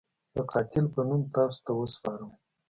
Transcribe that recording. د قاتل په نوم تاسو ته وسپارم.